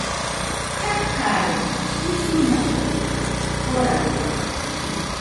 Kakarei, Jusiñamui koraɨde